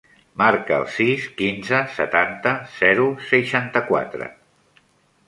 Marca el sis, quinze, setanta, zero, seixanta-quatre.